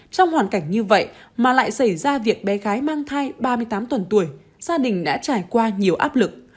trong hoàn cảnh như vậy mà lại xảy ra việc bé gái mang thai ba mươi tám tuần tuổi gia đình đã trải qua nhiều áp lực